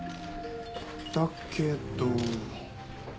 だけど。